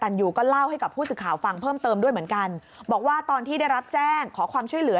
ตันยูก็เล่าให้กับผู้สื่อข่าวฟังเพิ่มเติมด้วยเหมือนกันบอกว่าตอนที่ได้รับแจ้งขอความช่วยเหลือ